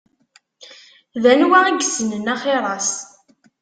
D anwa i yessnen axiṛ-as?